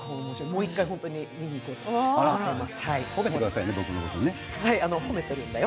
もう一回本当に見に行こうと思ってます。